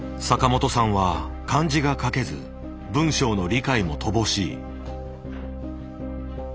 坂本さんは漢字が書けず文章の理解も乏しい。